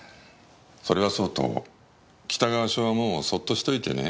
それはそうと北川署はもうそっとしといてね。